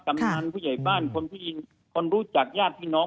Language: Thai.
กำหนังผู้ใหญ่บ้านคนรู้จักญาติพี่น้อง